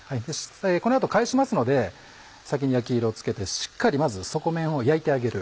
この後返しますので先に焼き色をつけてしっかりまず底面を焼いてあげる。